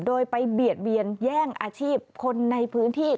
โดยไปเบียดเบียนแย่งอาชีพคนในพื้นที่